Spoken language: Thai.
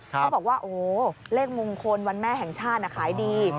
เขาบอกว่าโอ้โหเลขมงคลวันแม่แห่งชาติขายดี